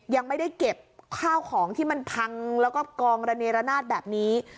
ยังไม่ได้เก็บข้าวของที่มันพังแล้วก็กองระเนรนาศแบบนี้